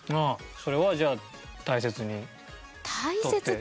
それはじゃあ大切に？